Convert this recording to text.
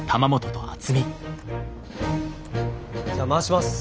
じゃあ回します。